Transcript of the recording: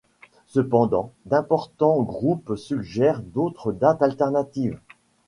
Cependant, d'importants groupes suggèrent d'autres dates alternatives.